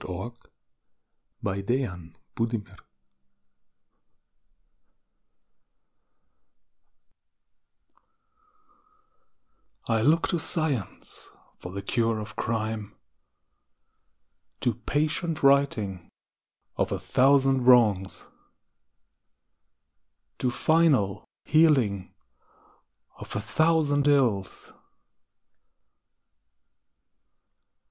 I LOOK TO SCIENCE I look to Science for the cure of Crime; To patient righting of a thousand wrongs; To final healing of a thousand ills.